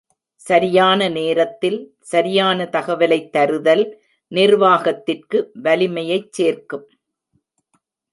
சரியான நேரத்தில் சரியான தகவலைத் தருதல் நிர்வாகத்திற்கு வலிமையைச் சேர்க்கும்.